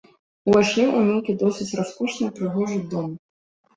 Увайшлі ў нейкі досыць раскошны і прыгожы дом.